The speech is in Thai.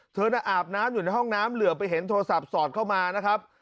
เธอน่ะอาบน้ำอยู่ในห้องน้ำเหลือไปเห็นโทรศัพท์สอดเข้ามานะครับ